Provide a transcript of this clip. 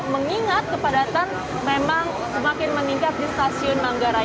mengingat kepadatan memang semakin meningkat di stasiun manggarai